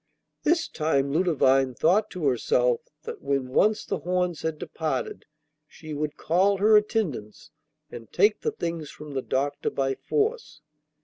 This time Ludovine thought to herself that when once the horns had departed, she would call her attendants and take the things from the doctor by force.